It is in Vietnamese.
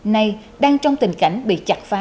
nay đang trong tình cảnh bị chặt phá